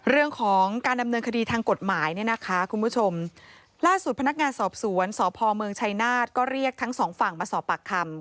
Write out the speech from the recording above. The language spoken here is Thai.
เรื่องของการดำเนินคดีทางกฎหมายเนี่ยนะคะคุณผู้ชมล่าสุดพนักงานสอบสวนสพเมืองชัยนาธก็เรียกทั้งสองฝั่งมาสอบปากคำ